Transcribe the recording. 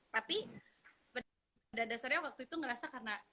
tapi pada dasarnya waktu itu ngerasa karena